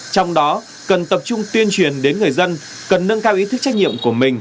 trong đó cần tập trung tuyên truyền đến người dân cần nâng cao ý thức trách nhiệm của mình